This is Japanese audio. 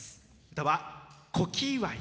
歌は「古希祝い」。